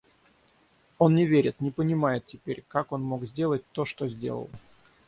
Он не верит, не понимает теперь, как он мог сделать то, что сделал.